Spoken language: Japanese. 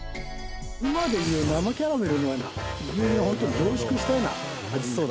今で言う生キャラメルのような牛乳をホントに凝縮したような味。